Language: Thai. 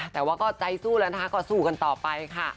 แต่ว่าก็ใจสู้แล้วนะคะก็สู้กันต่อไปค่ะ